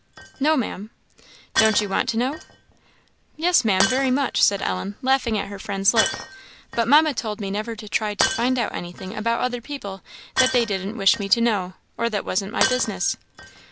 "No, Maam." "Don't you want to know?" "Yes, Maam, very much," said Ellen, laughing at her friend's look; "but Mamma told me never to try to find out anything about other people that they didn't wish me to know, or that wasn't my business."